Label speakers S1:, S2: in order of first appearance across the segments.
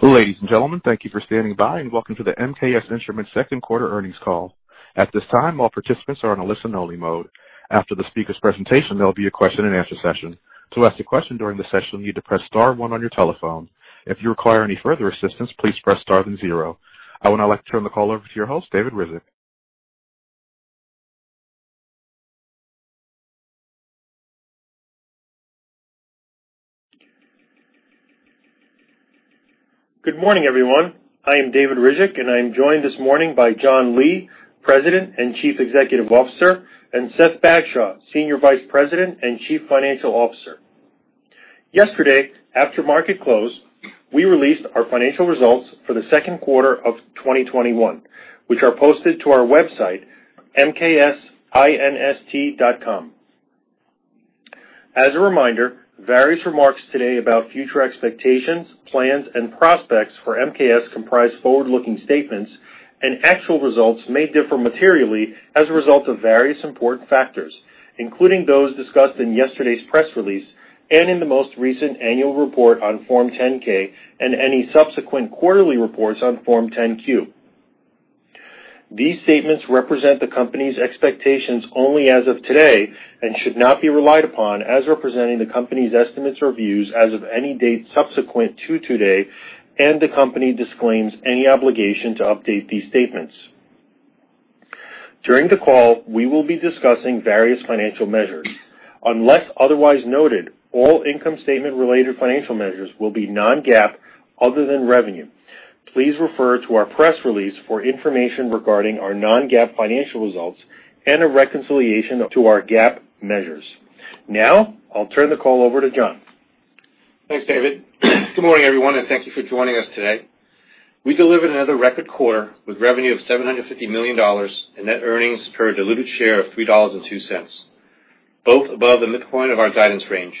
S1: Ladies and gentlemen, thank you for standing by, and welcome to the MKS Instruments second quarter earnings call. At this time, all participants are in a listen-only mode. After the speaker's presentation, there will be a question-and-answer session. To ask a question during the session, you'll need to press star one on your telephone. If you require any further assistance, please press star then zero. I would now like to turn the call over to your host, David Ryzhik.
S2: Good morning, everyone. I am David Ryzhik, and I'm joined this morning by John Lee, President and Chief Executive Officer, and Seth Bagshaw, Senior Vice President and Chief Financial Officer. Yesterday, after market close, we released our financial results for the second quarter of 2021, which are posted to our website, mksinst.com. As a reminder, various remarks today about future expectations, plans, and prospects for MKS comprise forward-looking statements, and actual results may differ materially as a result of various important factors, including those discussed in yesterday's press release and in the most recent annual report on Form 10-K, and any subsequent quarterly reports on Form 10-Q. These statements represent the company's expectations only as of today and should not be relied upon as representing the company's estimates or views as of any date subsequent to today, and the company disclaims any obligation to update these statements. During the call, we will be discussing various financial measures. Unless otherwise noted, all income statement-related financial measures will be non-GAAP, other than revenue. Please refer to our press release for information regarding our non-GAAP financial results and a reconciliation to our GAAP measures. Now, I'll turn the call over to John.
S3: Thanks, David. Good morning, everyone, and thank you for joining us today. We delivered another record quarter with revenue of $750 million and net earnings per diluted share of $3.02, both above the midpoint of our guidance range.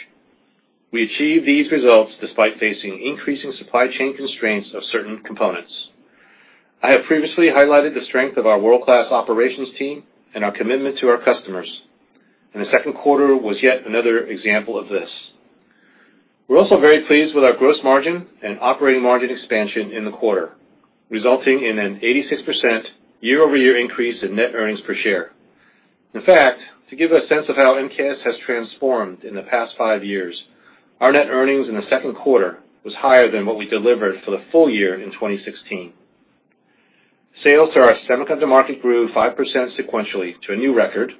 S3: We achieved these results despite facing increasing supply chain constraints of certain components. I have previously highlighted the strength of our world-class operations team and our commitment to our customers, and the second quarter was yet another example of this. We're also very pleased with our gross margin and operating margin expansion in the quarter, resulting in an 86% year-over-year increase in net earnings per share. In fact, to give a sense of how MKS has transformed in the past 5 years, our net earnings in the second quarter was higher than what we delivered for the full year in 2016. Sales to our semiconductor market grew 5% sequentially to a new record,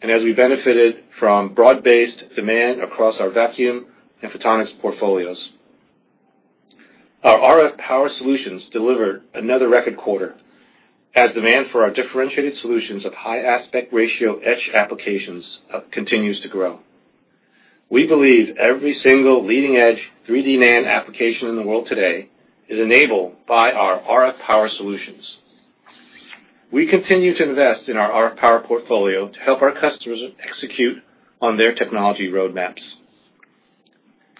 S3: and as we benefited from broad-based demand across our vacuum and photonics portfolios. Our RF power solutions delivered another record quarter, as demand for our differentiated solutions of high aspect ratio etch applications continues to grow. We believe every single leading-edge 3D NAND application in the world today is enabled by our RF power solutions. We continue to invest in our RF power portfolio to help our customers execute on their technology roadmaps.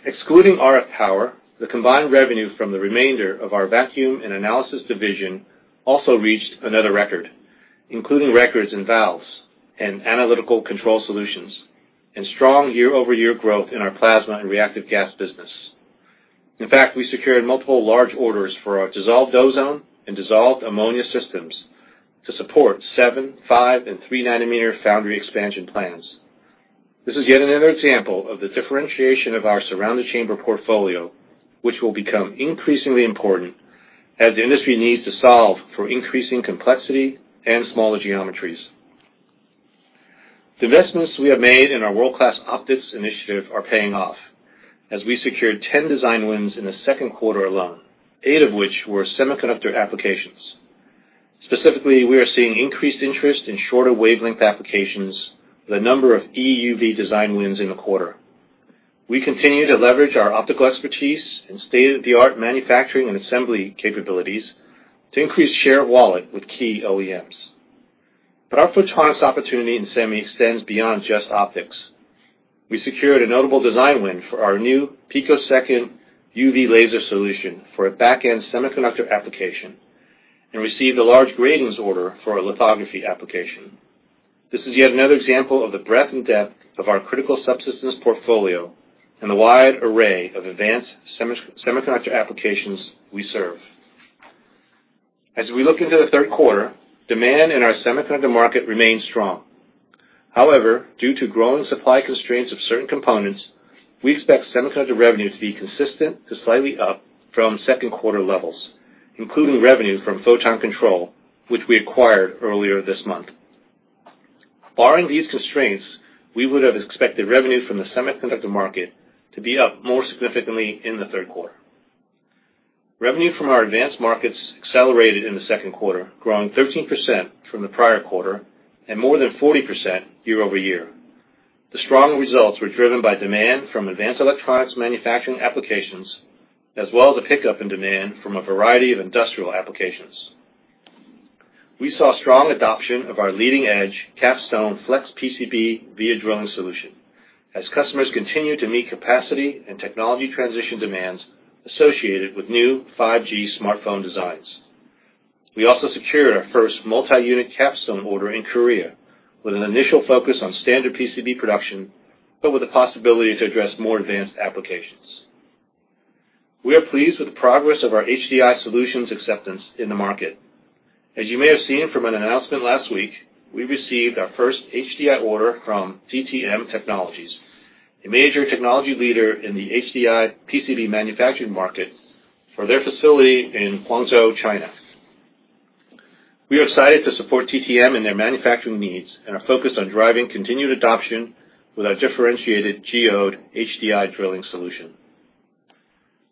S3: Excluding RF power, the combined revenue from the remainder of our Vacuum and Analysis division also reached another record, including records in valves and analytical control solutions, and strong year-over-year growth in our plasma and reactive gas business. In fact, we secured multiple large orders for our dissolved ozone and dissolved ammonia systems to support 7, 5, and 3-nanometer foundry expansion plans. This is yet another example of the differentiation of our Surround the Chamber portfolio, which will become increasingly important as the industry needs to solve for increasing complexity and smaller geometries. The investments we have made in our World Class Optics initiative are paying off, as we secured 10 design wins in the second quarter alone, eight of which were semiconductor applications. Specifically, we are seeing increased interest in shorter wavelength applications with a number of EUV design wins in the quarter. We continue to leverage our optical expertise and state-of-the-art manufacturing and assembly capabilities to increase share of wallet with key OEMs. But our photonics opportunity in semi extends beyond just optics. We secured a notable design win for our new picosecond UV laser solution for a back-end semiconductor application and received a large optical order for our lithography application. This is yet another example of the breadth and depth of our critical subsystems portfolio and the wide array of advanced semiconductor applications we serve. As we look into the third quarter, demand in our semiconductor market remains strong. However, due to growing supply constraints of certain components, we expect semiconductor revenue to be consistent to slightly up from second quarter levels, including revenue from Photon Control, which we acquired earlier this month. Barring these constraints, we would have expected revenue from the semiconductor market to be up more significantly in the third quarter. Revenue from our advanced markets accelerated in the second quarter, growing 13% from the prior quarter and more than 40% year-over-year. The strong results were driven by demand from advanced electronics manufacturing applications, as well as a pickup in demand from a variety of industrial applications. We saw strong adoption of our leading-edge Capstone flex PCB via drilling solution as customers continue to meet capacity and technology transition demands associated with new 5G smartphone designs... We also secured our first multi-unit Capstone order in Korea, with an initial focus on standard PCB production, but with the possibility to address more advanced applications. We are pleased with the progress of our HDI solutions acceptance in the market. As you may have seen from an announcement last week, we received our first HDI order from TTM Technologies, a major technology leader in the HDI PCB manufacturing market, for their facility in Guangzhou, China. We are excited to support TTM in their manufacturing needs and are focused on driving continued adoption with our differentiated Geode HDI drilling solution.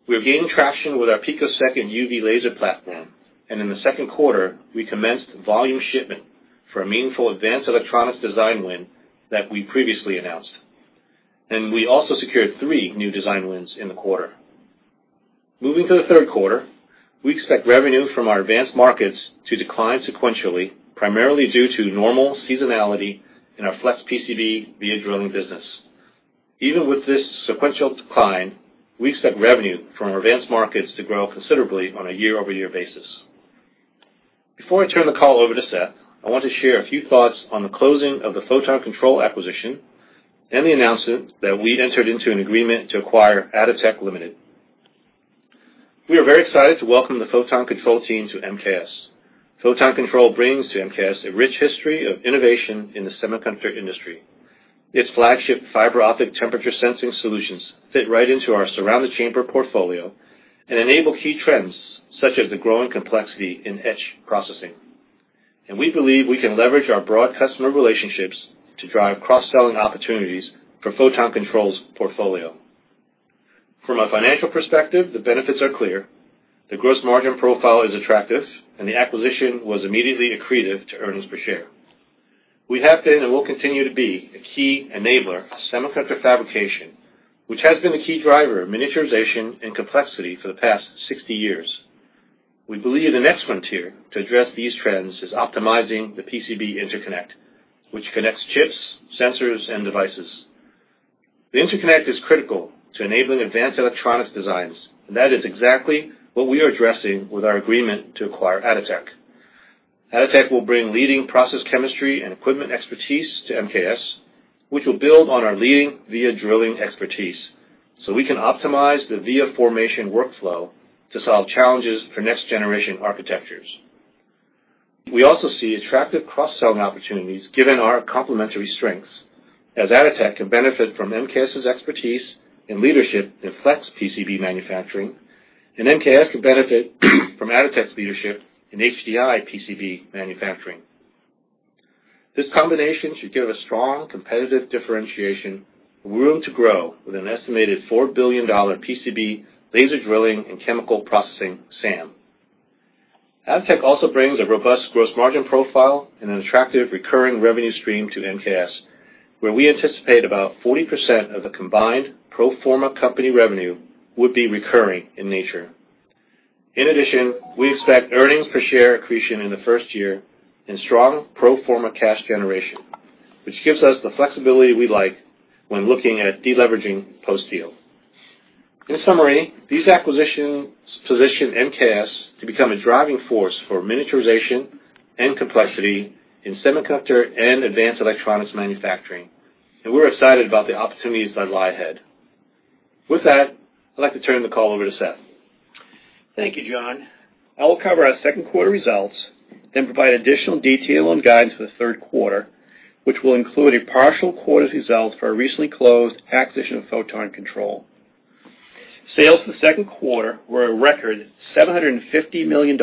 S3: We are gaining traction with our picosecond UV laser platform, and in the second quarter, we commenced volume shipment for a meaningful advanced electronics design win that we previously announced. We also secured three new design wins in the quarter. Moving to the third quarter, we expect revenue from our advanced markets to decline sequentially, primarily due to normal seasonality in our flex PCB via drilling business. Even with this sequential decline, we expect revenue from our advanced markets to grow considerably on a year-over-year basis. Before I turn the call over to Seth, I want to share a few thoughts on the closing of the Photon Control acquisition and the announcement that we entered into an agreement to acquire Atotech Limited. We are very excited to welcome the Photon Control team to MKS. Photon Control brings to MKS a rich history of innovation in the semiconductor industry. Its flagship fiber optic temperature sensing solutions fit right into our Surround the Chamber portfolio and enable key trends, such as the growing complexity in etch processing. And we believe we can leverage our broad customer relationships to drive cross-selling opportunities for Photon Control's portfolio. From a financial perspective, the benefits are clear. The gross margin profile is attractive, and the acquisition was immediately accretive to earnings per share. We have been, and will continue to be, a key enabler of semiconductor fabrication, which has been the key driver of miniaturization and complexity for the past 60 years. We believe the next frontier to address these trends is optimizing the PCB interconnect, which connects chips, sensors, and devices. The interconnect is critical to enabling advanced electronics designs, and that is exactly what we are addressing with our agreement to acquire Atotech. Atotech will bring leading process chemistry and equipment expertise to MKS, which will build on our leading via drilling expertise, so we can optimize the via formation workflow to solve challenges for next generation architectures. We also see attractive cross-selling opportunities, given our complementary strengths, as Atotech can benefit from MKS's expertise and leadership in flex PCB manufacturing, and MKS can benefit from Atotech's leadership in HDI PCB manufacturing. This combination should give a strong competitive differentiation and room to grow with an estimated $4 billion PCB, laser drilling, and chemical processing SAM. Atotech also brings a robust gross margin profile and an attractive recurring revenue stream to MKS, where we anticipate about 40% of the combined pro forma company revenue would be recurring in nature. In addition, we expect earnings per share accretion in the first year and strong pro forma cash generation, which gives us the flexibility we like when looking at deleveraging post-deal. In summary, these acquisitions position MKS to become a driving force for miniaturization and complexity in semiconductor and advanced electronics manufacturing, and we're excited about the opportunities that lie ahead. With that, I'd like to turn the call over to Seth.
S4: Thank you, John. I will cover our second quarter results, then provide additional detail on guidance for the third quarter, which will include a partial quarter's results for our recently closed acquisition of Photon Control. Sales in the second quarter were a record $750 million,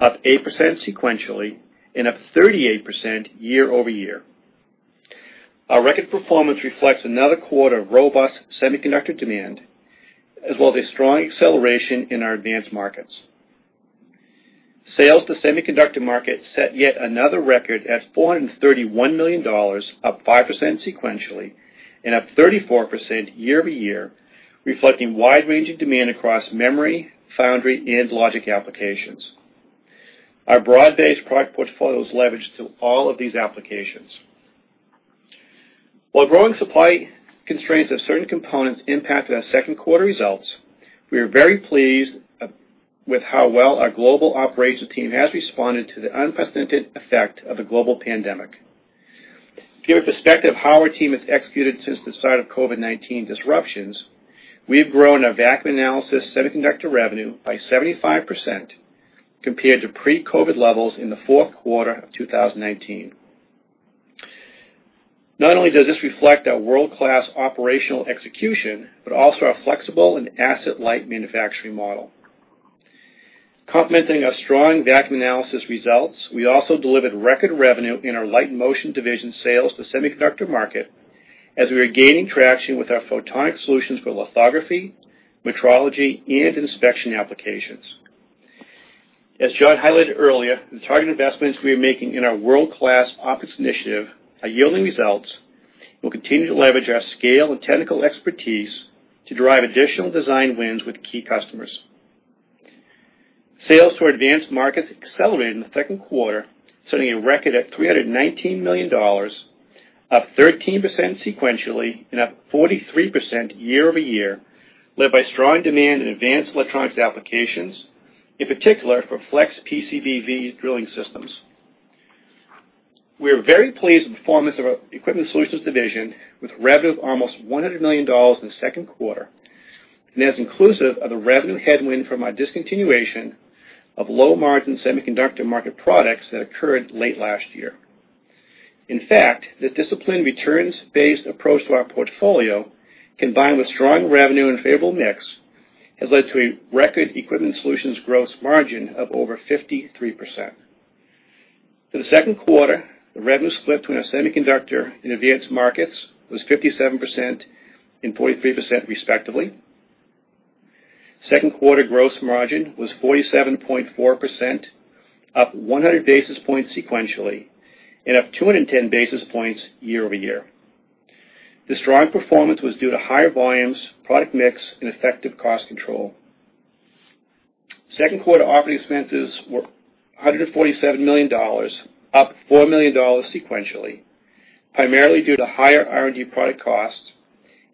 S4: up 8% sequentially and up 38% year-over-year. Our record performance reflects another quarter of robust semiconductor demand, as well as a strong acceleration in our advanced markets. Sales to semiconductor market set yet another record at $431 million, up 5% sequentially and up 34% year-over-year, reflecting wide-ranging demand across memory, foundry, and logic applications. Our broad-based product portfolio is leveraged to all of these applications. While growing supply constraints of certain components impacted our second quarter results, we are very pleased with how well our global operations team has responded to the unprecedented effect of the global pandemic. To give a perspective of how our team has executed since the start of COVID-19 disruptions, we've grown our Vacuum and Analysis semiconductor revenue by 75% compared to pre-COVID levels in the fourth quarter of 2019. Not only does this reflect our world-class operational execution, but also our flexible and asset-light manufacturing model. Complementing our strong Vacuum and Analysis results, we also delivered record revenue in our Light and Motion division sales to semiconductor market, as we are gaining traction with our photonic solutions for lithography, metrology, and inspection applications. As John highlighted earlier, the targeted investments we are making in our world-class optics initiative are yielding results and will continue to leverage our scale and technical expertise to drive additional design wins with key customers. Sales to our advanced markets accelerated in the second quarter, setting a record at $319 million, up 13% sequentially and up 43% year-over-year, led by strong demand in advanced electronics applications, in particular for flex PCB via drilling systems. We are very pleased with the performance of our Equipment Solutions division, with revenue of almost $100 million in the second quarter, and that's inclusive of the revenue headwind from our discontinuation of low-margin semiconductor market products that occurred late last year. In fact, the disciplined returns-based approach to our portfolio, combined with strong revenue and favorable mix, has led to a record Equipment Solutions gross margin of over 53%. For the second quarter, the revenue split between our semiconductor and advanced markets was 57% and 43% respectively. Second quarter gross margin was 47.4%, up 100 basis points sequentially, and up 210 basis points year-over-year. This strong performance was due to higher volumes, product mix, and effective cost control. Second quarter operating expenses were $147 million, up $4 million sequentially, primarily due to higher R&D product costs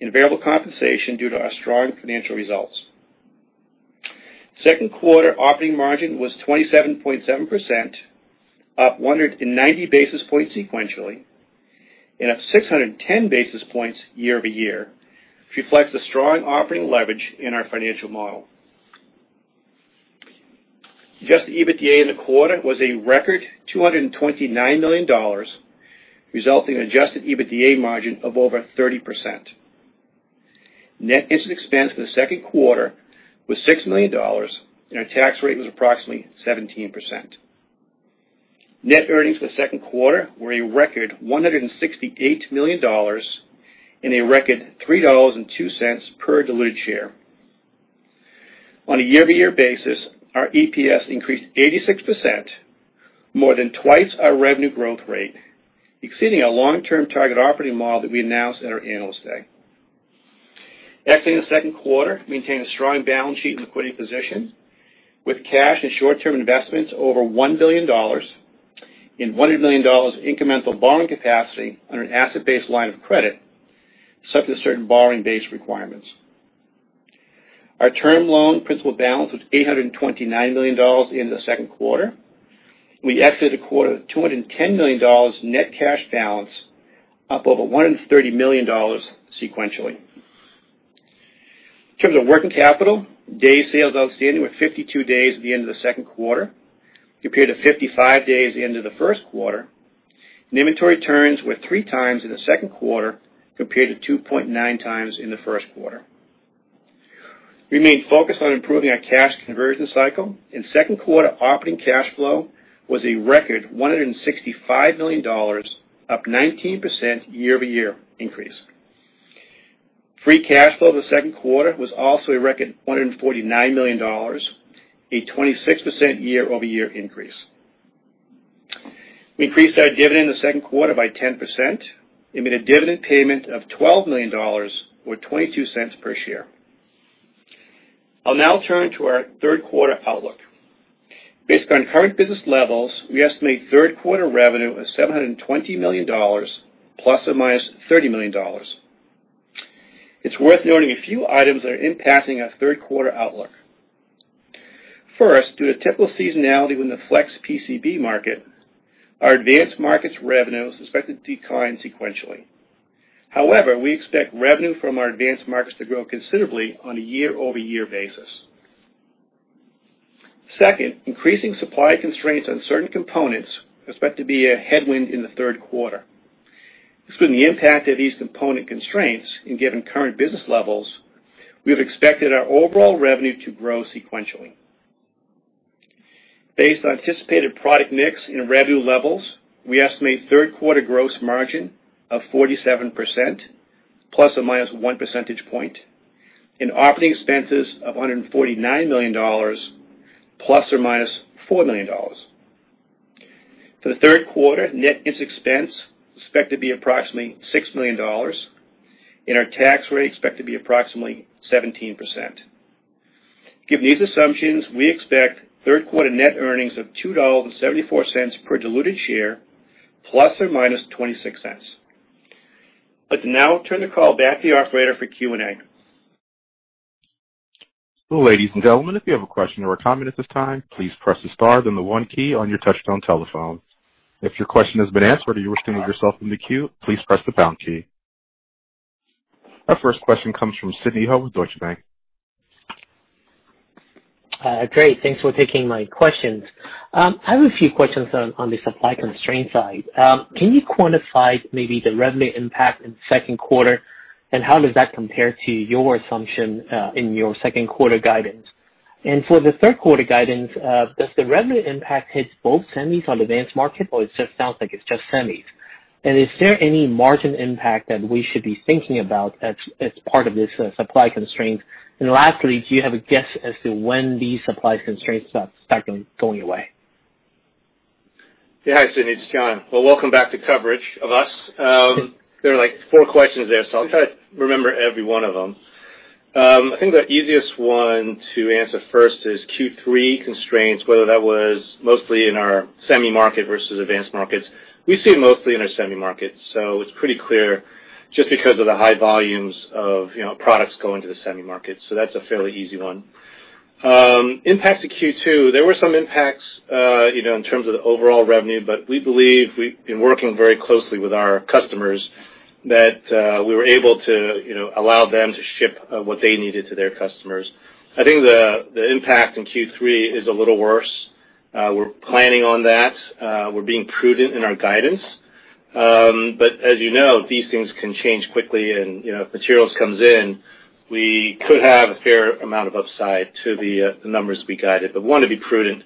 S4: and variable compensation due to our strong financial results. Second quarter operating margin was 27.7%, up 190 basis points sequentially, and up 610 basis points year-over-year, which reflects the strong operating leverage in our financial model. Adjusted EBITDA in the quarter was a record $229 million, resulting in adjusted EBITDA margin of over 30%. Net interest expense for the second quarter was $6 million, and our tax rate was approximately 17%. Net earnings for the second quarter were a record $168 million and a record $3.02 per diluted share. On a year-over-year basis, our EPS increased 86%, more than twice our revenue growth rate, exceeding our long-term target operating model that we announced at our Analyst Day. Exiting the second quarter, maintained a strong balance sheet and liquidity position, with cash and short-term investments over $1 billion and $100 million of incremental borrowing capacity on an asset-based line of credit, subject to certain borrowing base requirements. Our term loan principal balance was $829 million in the second quarter. We exited the quarter with $210 million net cash balance, up over $130 million sequentially. In terms of working capital, days sales outstanding were 52 days at the end of the second quarter, compared to 55 days at the end of the first quarter. Inventory turns were 3 times in the second quarter, compared to 2.9 times in the first quarter. We remain focused on improving our cash conversion cycle, and second quarter operating cash flow was a record $165 million, up 19% year-over-year increase. Free cash flow in the second quarter was also a record $149 million, a 26% year-over-year increase. We increased our dividend in the second quarter by 10%, and made a dividend payment of $12 million, or 22 cents per share. I'll now turn to our third quarter outlook. Based on current business levels, we estimate third quarter revenue of $720 million, ±$30 million. It's worth noting a few items that are impacting our third quarter outlook. First, due to typical seasonality in the flex PCB market, our advanced markets revenue is expected to decline sequentially. However, we expect revenue from our advanced markets to grow considerably on a year-over-year basis. Second, increasing supply constraints on certain components are expected to be a headwind in the third quarter. Excluding the impact of these component constraints and given current business levels, we have expected our overall revenue to grow sequentially. Based on anticipated product mix and revenue levels, we estimate third quarter gross margin of 47% ±1 percentage point, and operating expenses of $149 million ±$4 million. For the third quarter, net interest expense is expected to be approximately $6 million, and our tax rate is expected to be approximately 17%. Given these assumptions, we expect third quarter net earnings of $2.74 per diluted share ±$0.26. I'd now turn the call back to the operator for Q&A.
S1: Ladies and gentlemen, if you have a question or a comment at this time, please press the star, then the one key on your touchtone telephone. If your question has been answered or you wish to remove yourself from the queue, please press the pound key. Our first question comes from Sidney Ho with Deutsche Bank.
S5: Great, thanks for taking my questions. I have a few questions on the supply constraint side. Can you quantify maybe the revenue impact in the second quarter, and how does that compare to your assumption in your second quarter guidance? And for the third quarter guidance, does the revenue impact hit both semis on advanced market, or it just sounds like it's just semis? And is there any margin impact that we should be thinking about as part of this supply constraint? And lastly, do you have a guess as to when these supply constraints are starting going away?
S3: Yeah. Hi, Sidney, it's John. Well, welcome back to coverage of us. There are like four questions there, so I'll try to remember every one of them.... I think the easiest one to answer first is Q3 constraints, whether that was mostly in our semi market versus advanced markets. We see it mostly in our semi market, so it's pretty clear just because of the high volumes of, you know, products going to the semi market, so that's a fairly easy one. Impacts to Q2, there were some impacts, you know, in terms of the overall revenue, but we believe we've been working very closely with our customers, that we were able to, you know, allow them to ship what they needed to their customers. I think the impact in Q3 is a little worse. We're planning on that. We're being prudent in our guidance. As you know, these things can change quickly and, you know, if materials comes in, we could have a fair amount of upside to the numbers we guided, but we want to be prudent.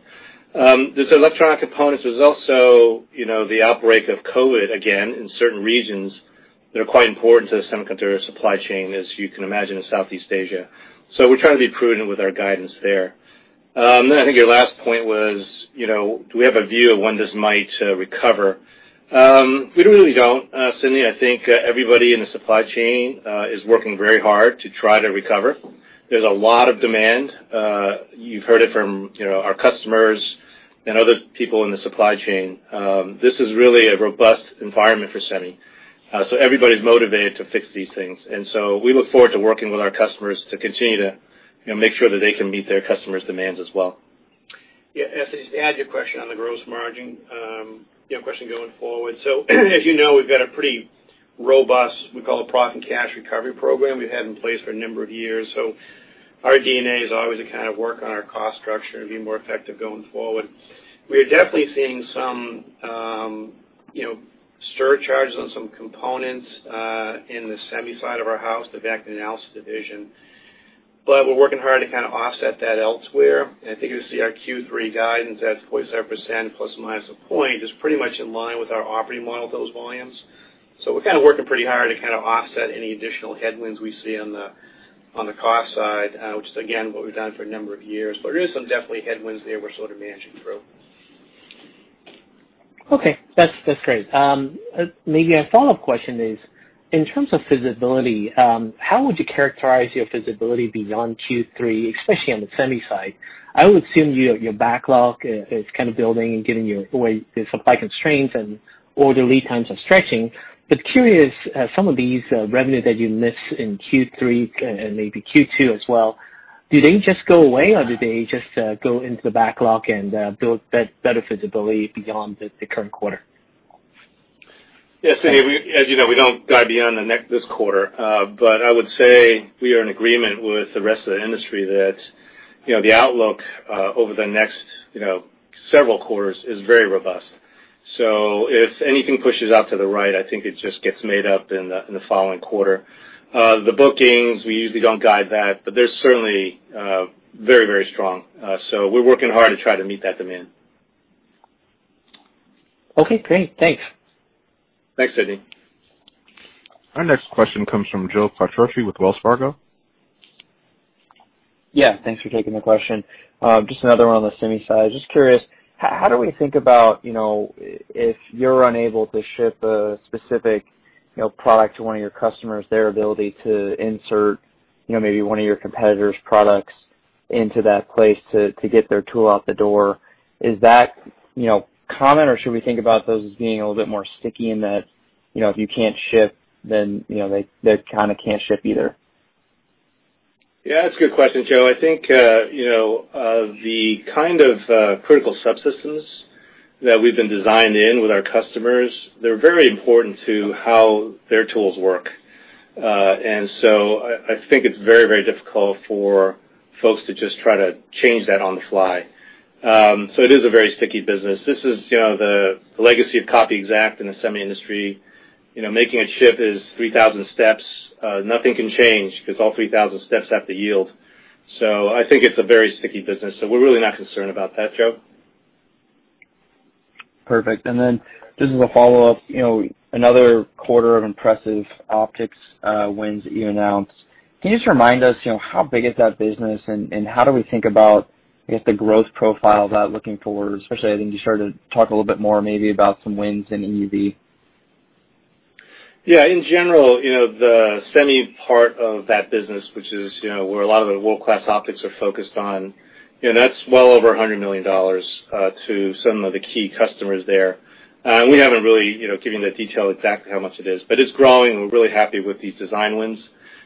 S3: There's electronic components. There's also, you know, the outbreak of COVID, again, in certain regions that are quite important to the semiconductor supply chain, as you can imagine, in Southeast Asia. So we're trying to be prudent with our guidance there. I think your last point was, you know, do we have a view of when this might recover? We really don't, Sidney. I think everybody in the supply chain is working very hard to try to recover. There's a lot of demand. You've heard it from, you know, our customers and other people in the supply chain. This is really a robust environment for semi, so everybody's motivated to fix these things. And so we look forward to working with our customers to continue to, you know, make sure that they can meet their customers' demands as well. Yeah, just to add to your question on the gross margin, you know, question going forward. So as you know, we've got a pretty robust, we call it profit and cash recovery program, we've had in place for a number of years. So our DNA is always to kind of work on our cost structure and be more effective going forward. We are definitely seeing some, you know, surcharges on some components, in the semi side of our house, the Vacuum and Analysis division. But we're working hard to kind of offset that elsewhere. I think you'll see our Q3 guidance at 0.7% ± 1% is pretty much in line with our operating model of those volumes. So we're kind of working pretty hard to kind of offset any additional headwinds we see on the, on the cost side, which is again, what we've done for a number of years. But there is some definitely headwinds there we're sort of managing through.
S5: Okay, that's great. Maybe a follow-up question is, in terms of visibility, how would you characterize your visibility beyond Q3, especially on the semi side? I would assume your backlog is kind of building and giving you a way, the supply constraints and order lead times are stretching. But curious, some of these revenues that you missed in Q3 and maybe Q2 as well, do they just go away, or do they just go into the backlog and build better visibility beyond the current quarter?
S3: Yes, so as you know, we don't guide beyond the next, this quarter. But I would say we are in agreement with the rest of the industry that, you know, the outlook over the next, you know, several quarters is very robust. So if anything pushes out to the right, I think it just gets made up in the following quarter. The bookings, we usually don't guide that, but they're certainly very, very strong. So we're working hard to try to meet that demand.
S5: Okay, great. Thanks.
S3: Thanks, Sidney.
S1: Our next question comes from Joe Quatrochi with Wells Fargo.
S6: Yeah, thanks for taking the question. Just another one on the semi side. Just curious, how do we think about, you know, if you're unable to ship a specific, you know, product to one of your customers, their ability to insert, you know, maybe one of your competitors' products into that place to get their tool out the door? Is that, you know, common, or should we think about those as being a little bit more sticky in that, you know, if you can't ship, then, you know, they kind of can't ship either?
S3: Yeah, that's a good question, Joe. I think, you know, the kind of critical subsystems that we've been designed in with our customers, they're very important to how their tools work. And so I think it's very, very difficult for folks to just try to change that on the fly. So it is a very sticky business. This is, you know, the legacy of copy exact in the semi industry. You know, making a chip is 3,000 steps. Nothing can change because all 3,000 steps have to yield. So I think it's a very sticky business, so we're really not concerned about that, Joe.
S6: Perfect. And then just as a follow-up, you know, another quarter of impressive optics wins that you announced. Can you just remind us, you know, how big is that business and, and how do we think about, I guess, the growth profile of that looking forward, especially I think you started to talk a little bit more maybe about some wins in EUV?
S3: Yeah, in general, you know, the semi part of that business, which is, you know, where a lot of the world-class optics are focused on, you know, that's well over $100 million to some of the key customers there. We haven't really, you know, given the detail exactly how much it is, but it's growing, and we're really happy with these design wins.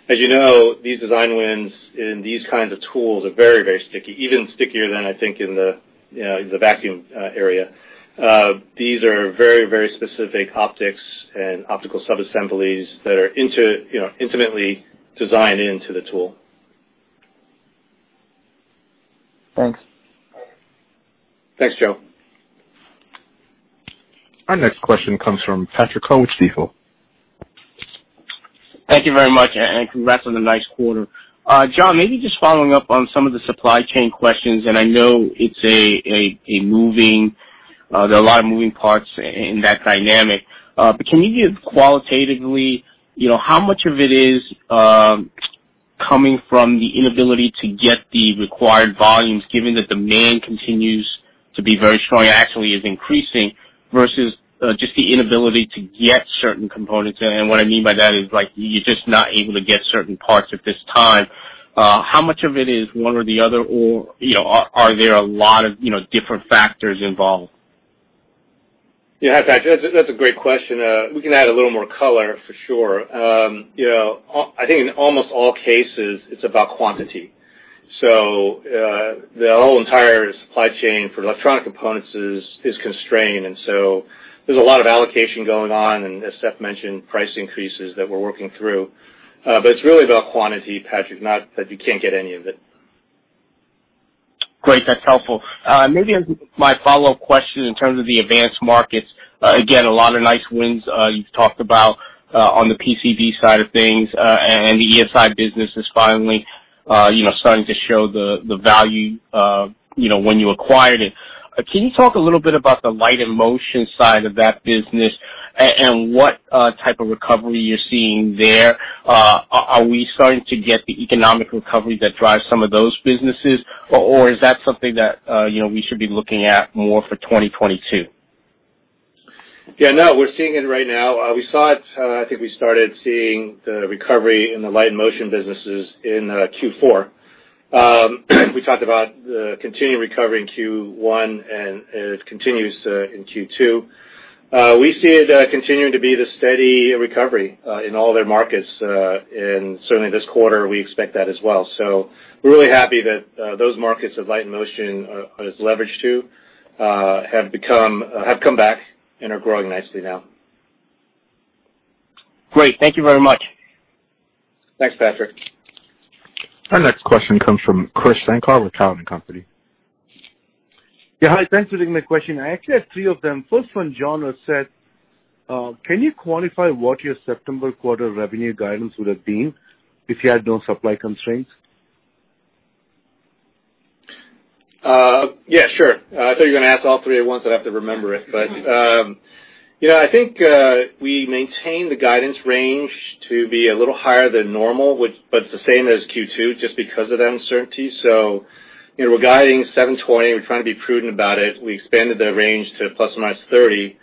S3: As you know, these design wins in these kinds of tools are very, very sticky, even stickier than I think in the, you know, the vacuum area. These are very, very specific optics and optical subassemblies that are you know, intimately designed into the tool.
S6: Thanks.
S3: Thanks, Joe.
S1: Our next question comes from Patrick Ho, Stifel.
S7: Thank you very much, and congrats on the nice quarter. John, maybe just following up on some of the supply chain questions, and I know there are a lot of moving parts in that dynamic. But can you give qualitatively, you know, how much of it is coming from the inability to get the required volumes, given that demand continues to be very strong, and actually is increasing versus just the inability to get certain components. And what I mean by that is, like, you're just not able to get certain parts at this time. How much of it is one or the other, or, you know, are there a lot of, you know, different factors involved?
S3: Yeah, Patrick, that's a great question. We can add a little more color for sure. You know, I think in almost all cases it's about quantity. So, the whole entire supply chain for electronic components is constrained, and so there's a lot of allocation going on, and as Seth mentioned, price increases that we're working through. But it's really about quantity, Patrick, not that you can't get any of it.
S7: Great. That's helpful. Maybe my follow-up question in terms of the advanced markets, again, a lot of nice wins, you've talked about, on the PCB side of things, and the ESI business is finally, you know, starting to show the value, you know, when you acquired it. Can you talk a little bit about the light and motion side of that business, and what type of recovery you're seeing there? Are we starting to get the economic recovery that drives some of those businesses, or is that something that, you know, we should be looking at more for 2022?
S3: Yeah, no, we're seeing it right now. We saw it. I think we started seeing the recovery in the Light and Motion businesses in Q4. We talked about the continuing recovery in Q1, and it continues in Q2. We see it continuing to be the steady recovery in all their markets, and certainly this quarter, we expect that as well. So we're really happy that those markets of Light and Motion as leveraged to have come back and are growing nicely now.
S7: Great. Thank you very much.
S3: Thanks, Patrick.
S1: Our next question comes from Krish Sankar with Cowen and Company.
S8: Yeah, hi. Thanks for taking my question. I actually have three of them. First one, John or Seth, can you quantify what your September quarter revenue guidance would have been if you had no supply constraints?
S3: Yeah, sure. I thought you were gonna ask all three at once, and I'd have to remember it. But, you know, I think we maintained the guidance range to be a little higher than normal, which, but it's the same as Q2, just because of the uncertainty. So, you know, we're guiding $720. We're trying to be prudent about it. We expanded the range to ±30.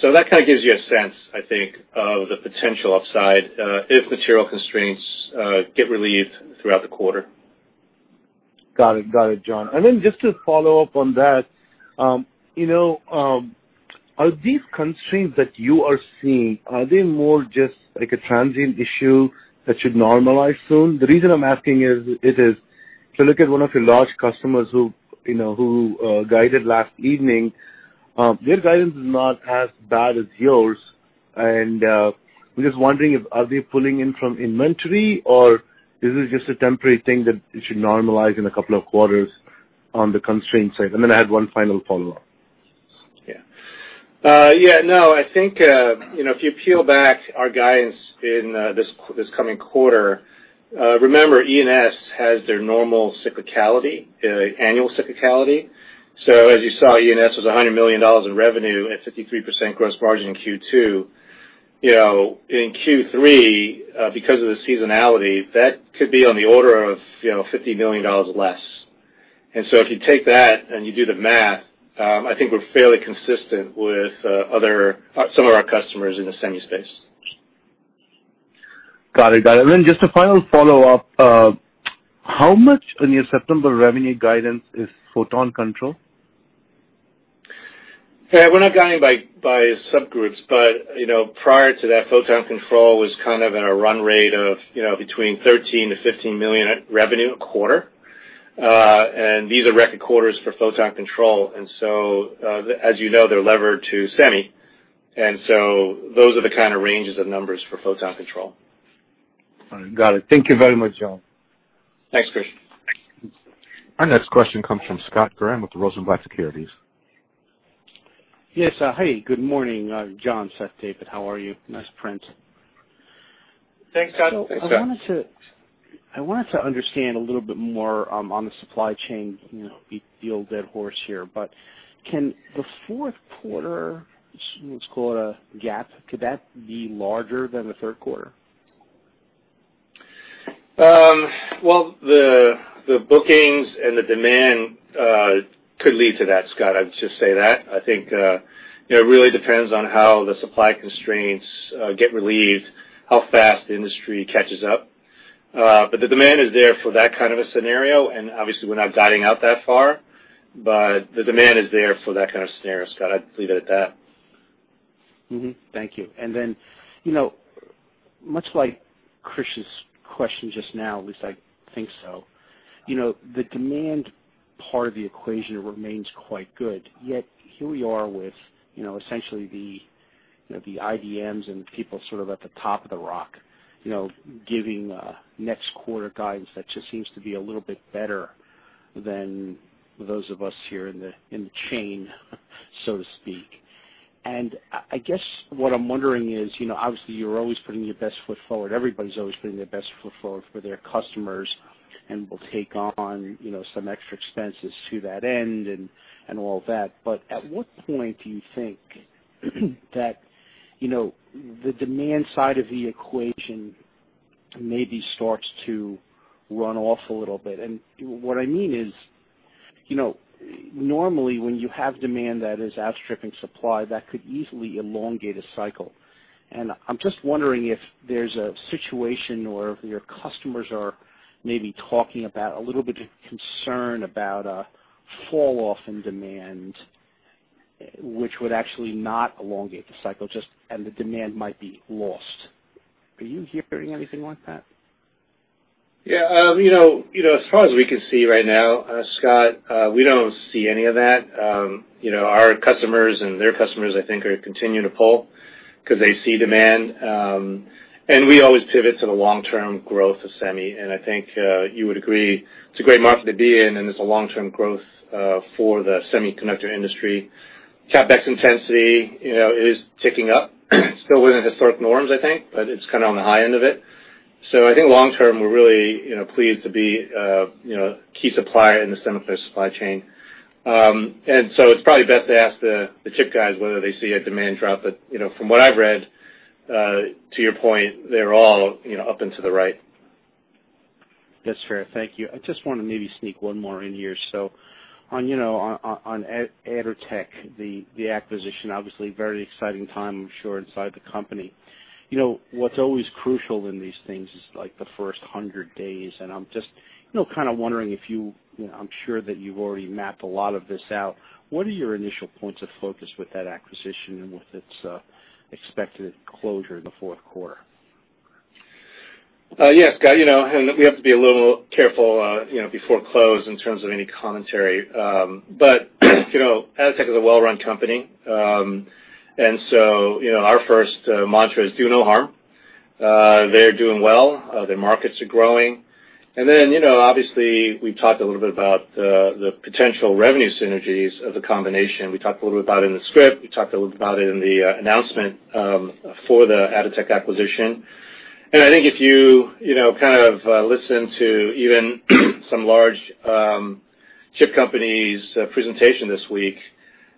S3: So that kind of gives you a sense, I think, of the potential upside if material constraints get relieved throughout the quarter.
S8: Got it. Got it, John. And then just to follow up on that, you know, are these constraints that you are seeing, are they more just like a transient issue that should normalize soon? The reason I'm asking is, it is, if you look at one of your large customers who, you know, who, guided last evening, their guidance is not as bad as yours, and, we're just wondering if are they pulling in from inventory, or is this just a temporary thing that it should normalize in a couple of quarters on the constraint side? And then I had one final follow-up.
S3: Yeah. Yeah, no, I think, you know, if you peel back our guidance in this coming quarter, remember, E&S has their normal cyclicality, annual cyclicality. So as you saw, E&S was $100 million in revenue, and 53% gross margin in Q2. You know, in Q3, because of the seasonality, that could be on the order of, you know, $50 million less. And so if you take that and you do the math, I think we're fairly consistent with other, some of our customers in the semi space.
S8: Got it. Got it. And then just a final follow-up, how much in your September revenue guidance is Photon Control?
S3: Yeah. We're not guiding by subgroups, but, you know, prior to that, Photon Control was kind of in a run rate of, you know, between $13 million-$15 million revenue a quarter. And these are record quarters for Photon Control, and so, as you know, they're levered to semi, and so those are the kind of ranges of numbers for Photon Control.
S8: All right. Got it. Thank you very much, John.
S3: Thanks, Krish.
S1: Our next question comes from Scott Graham with Rosenblatt Securities.
S9: Yes. Hey, good morning, John, Seth, David, how are you? Nice print.
S3: Thanks, Scott. Thanks, Scott.
S9: I wanted to, I wanted to understand a little bit more, on the supply chain, you know, beat the old dead horse here, but can the fourth quarter, let's call it a gap, could that be larger than the third quarter?
S3: Well, the bookings and the demand could lead to that, Scott. I'd just say that. I think, you know, it really depends on how the supply constraints get relieved, how fast the industry catches up. But the demand is there for that kind of a scenario, and obviously we're not guiding out that far, but the demand is there for that kind of scenario, Scott. I'd leave it at that.
S9: Thank you. And then, you know, much like Krish's question just now, at least I think so, you know, the demand part of the equation remains quite good. Yet here we are with, you know, essentially the, you know, the IDMs and people sort of at the top of the rock, you know, giving next quarter guidance that just seems to be a little bit better than those of us here in the chain, so to speak. And I guess what I'm wondering is, you know, obviously, you're always putting your best foot forward. Everybody's always putting their best foot forward for their customers and will take on, you know, some extra expenses to that end and all that. But at what point do you think the demand side of the equation... maybe starts to run off a little bit. And what I mean is, you know, normally, when you have demand that is outstripping supply, that could easily elongate a cycle. I'm just wondering if there's a situation or if your customers are maybe talking about a little bit of concern about a falloff in demand, which would actually not elongate the cycle, just and the demand might be lost. Are you hearing anything like that?
S3: Yeah, you know, you know, as far as we can see right now, Scott, we don't see any of that. You know, our customers and their customers, I think, are continuing to pull, 'cause they see demand. And we always pivot to the long-term growth of semi, and I think, you would agree, it's a great market to be in, and it's a long-term growth, for the semiconductor industry. CapEx intensity, you know, is ticking up, still within historic norms, I think, but it's kind of on the high end of it. So I think long term, we're really, you know, pleased to be, you know, a key supplier in the semiconductor supply chain. And so it's probably best to ask the chip guys whether they see a demand drop, but, you know, from what I've read, to your point, they're all, you know, up and to the right.
S9: That's fair. Thank you. I just want to maybe sneak one more in here. So on, you know, on, on, on Atotech, the, the acquisition, obviously very exciting time, I'm sure, inside the company. You know, what's always crucial in these things is like the first 100 days, and I'm just, you know, kind of wondering if you, you know, I'm sure that you've already mapped a lot of this out. What are your initial points of focus with that acquisition and with its expected closure in the fourth quarter?
S3: Yes, Scott, you know, and we have to be a little careful, you know, before close in terms of any commentary. But, you know, Atotech is a well-run company. And so, you know, our first mantra is do no harm. They're doing well, their markets are growing. And then, you know, obviously, we've talked a little bit about the, the potential revenue synergies of the combination. We talked a little bit about it in the script. We talked a little bit about it in the, announcement, for the Atotech acquisition. I think if you, you know, kind of, listen to even some large, chip companies' presentation this week,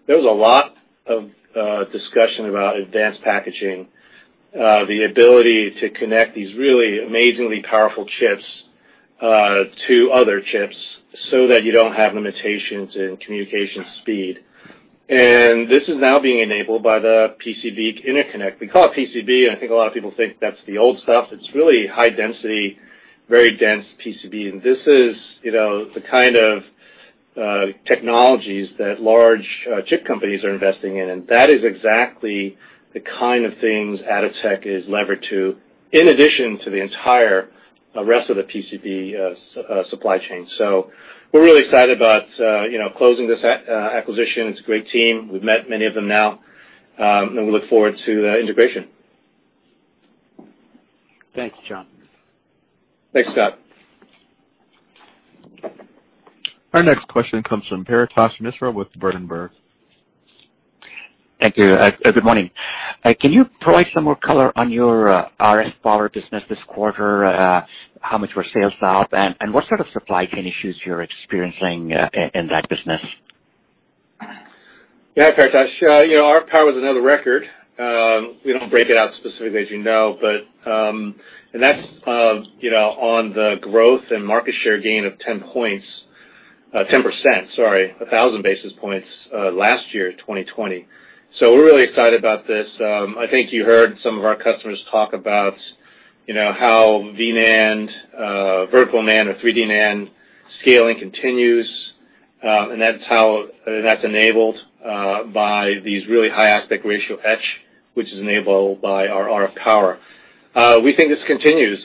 S3: there was a lot of, discussion about advanced packaging, the ability to connect these really amazingly powerful chips, to other chips, so that you don't have limitations in communication speed. This is now being enabled by the PCB interconnect. We call it PCB, and I think a lot of people think that's the old stuff. It's really high density, very dense PCB. This is, you know, the kind of, technologies that large, chip companies are investing in, and that is exactly the kind of things Atotech is levered to, in addition to the entire rest of the PCB, supply chain. So we're really excited about, you know, closing this acquisition. It's a great team. We've met many of them now, and we look forward to the integration.
S9: Thanks, John.
S3: Thanks, Scott.
S1: Our next question comes from Paretosh Misra with Berenberg.
S10: Thank you. Good morning. Can you provide some more color on your RF power business this quarter? How much were sales up, and what sort of supply chain issues you're experiencing in that business?
S3: Yeah, Paretosh, you know, our power was another record. We don't break it out specifically, as you know, but. That's, you know, on the growth and market share gain of 10 points, 10%, sorry, 1,000 basis points, last year, 2020. So we're really excited about this. I think you heard some of our customers talk about, you know, how V-NAND, vertical NAND or 3D NAND scaling continues, and that's how that's enabled by these really high aspect ratio etch, which is enabled by our RF power. We think this continues.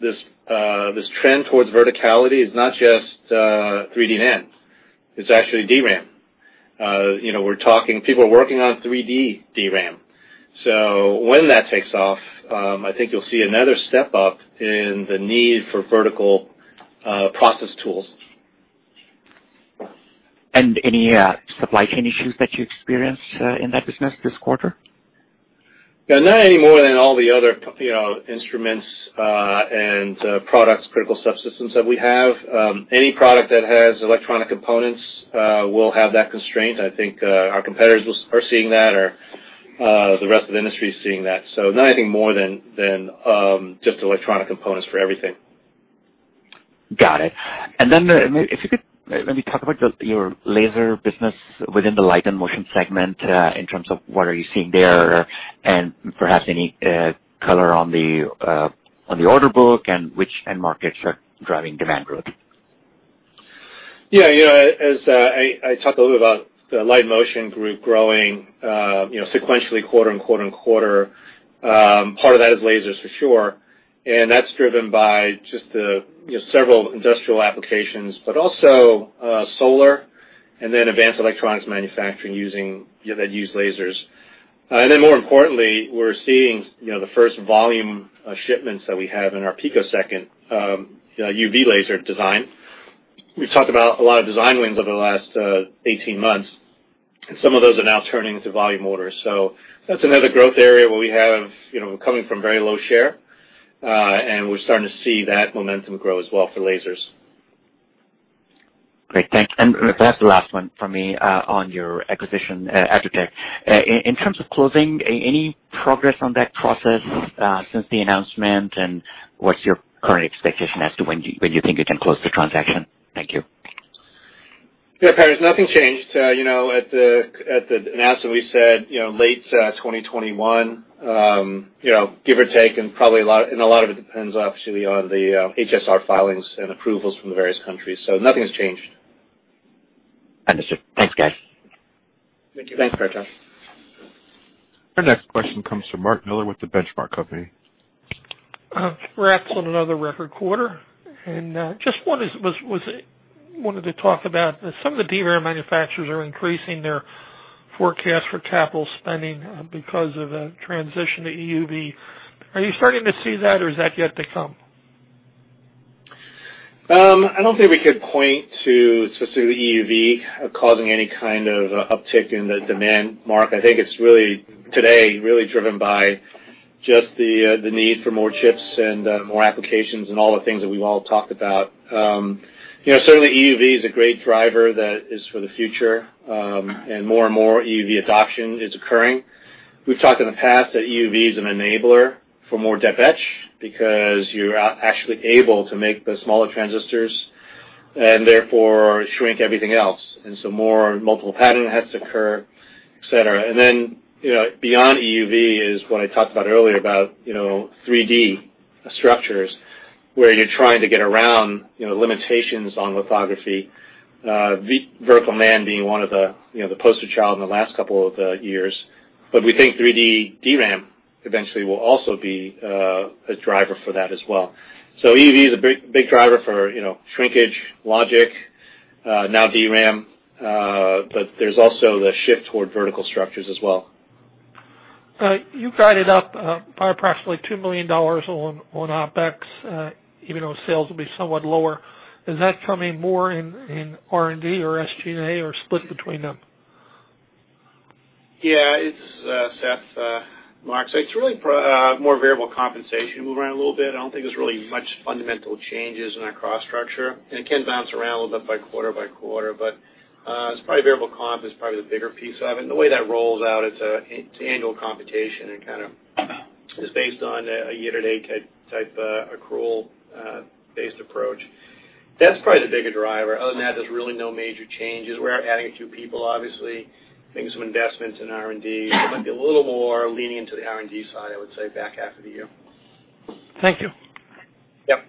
S3: This, this trend towards verticality is not just 3D NAND, it's actually DRAM. You know, we're talking, people are working on 3D DRAM. So when that takes off, I think you'll see another step up in the need for vertical process tools.
S10: Any supply chain issues that you experienced in that business this quarter?
S3: Yeah, not any more than all the other, you know, instruments and products, critical subsystems that we have. Any product that has electronic components will have that constraint. I think our competitors are seeing that, or the rest of the industry is seeing that. So not anything more than just electronic components for everything.
S10: Got it. And then, if you could maybe talk about your laser business within the Light and Motion segment, in terms of what are you seeing there, and perhaps any color on the order book, and which end markets are driving demand growth?
S3: Yeah, you know, as I talked a little bit about the Light and Motion group growing, you know, sequentially quarter and quarter and quarter. Part of that is lasers for sure, and that's driven by just the, you know, several industrial applications, but also solar, and then advanced electronics manufacturing using, you know, that use lasers. And then more importantly, we're seeing, you know, the first volume of shipments that we have in our picosecond UV laser design. We've talked about a lot of design wins over the last 18 months, and some of those are now turning into volume orders. So that's another growth area where we have, you know, coming from very low share, and we're starting to see that momentum grow as well for lasers....
S10: Great, thank you. And that's the last one from me, on your acquisition, Atotech. In terms of closing, any progress on that process, since the announcement, and what's your current expectation as to when you think you can close the transaction? Thank you.
S3: Yeah, Patrick, nothing's changed. You know, at the announcement, we said, you know, late 2021, you know, give or take, and probably a lot, and a lot of it depends obviously on the HSR filings and approvals from the various countries, so nothing has changed.
S10: Understood. Thanks, guys.
S3: Thank you.
S4: Thanks, Patrick.
S1: Our next question comes from Mark Miller with The Benchmark Company.
S11: Congrats on another record quarter. And just wanted to talk about some of the DRAM manufacturers are increasing their forecast for capital spending because of the transition to EUV. Are you starting to see that, or is that yet to come?
S3: I don't think we could point to specifically EUV causing any kind of uptick in the demand, Mark. I think it's really, today, really driven by just the need for more chips and more applications, and all the things that we've all talked about. You know, certainly EUV is a great driver that is for the future, and more and more EUV adoption is occurring. We've talked in the past that EUV is an enabler for more deep etch, because you're actually able to make the smaller transistors, and therefore shrink everything else, and so more multiple pattern has to occur, et cetera. And then, you know, beyond EUV is what I talked about earlier, about, you know, 3D structures, where you're trying to get around, you know, limitations on lithography, vertical NAND being one of the, you know, the poster child in the last couple of years. But we think 3D DRAM eventually will also be a driver for that as well. So EUV is a big, big driver for, you know, shrinkage, logic, now DRAM, but there's also the shift toward vertical structures as well.
S11: You guided up by approximately $2 million on OpEx, even though sales will be somewhat lower. Is that coming more in R&D or SG&A or split between them?
S4: Yeah, it's Seth, Mark. So it's really more variable compensation move around a little bit. I don't think there's really much fundamental changes in our cost structure, and it can bounce around a little bit by quarter by quarter, but it's probably variable comp is probably the bigger piece of it. And the way that rolls out, it's annual computation and kind of is based on a year-to-date accrual based approach. That's probably the bigger driver. Other than that, there's really no major changes. We are adding a few people, obviously, making some investments in R&D. There might be a little more leaning into the R&D side, I would say, back half of the year.
S11: Thank you.
S4: Yep.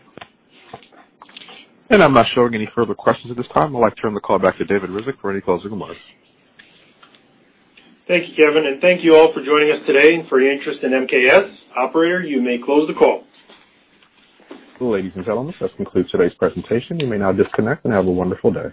S1: I'm not showing any further questions at this time. I'd like to turn the call back to David Ryzhik for any closing remarks.
S3: Thank you, Kevin, and thank you all for joining us today and for your interest in MKS. Operator, you may close the call.
S1: Ladies and gentlemen, this concludes today's presentation. You may now disconnect and have a wonderful day.